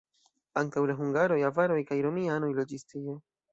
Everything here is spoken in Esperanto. Antaŭ la hungaroj avaroj kaj romianoj loĝis tie.